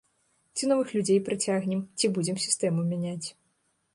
Ці новых людзей прыцягнем, ці будзем сістэму мяняць.